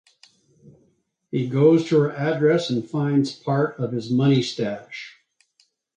He goes to her address and finds part of his money stash.